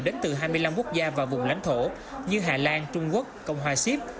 đến từ hai mươi năm quốc gia và vùng lãnh thổ như hà lan trung quốc cộng hòa xíp